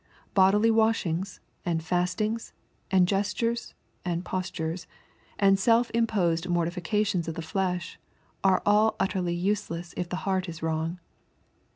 Bodily wash ings, and fastings, and gestures, and postures, and self imposed mortifications of the flesh, are all utterly useless if the heart is wrong.